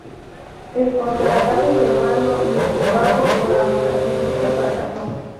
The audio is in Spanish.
El contraataque germano y eslovaco colaboracionista fracasó.